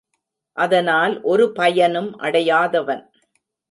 அதனால் ஒரு பயனும் அடையாதவன்.